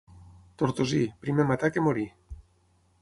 Tortosí, primer matar que morir.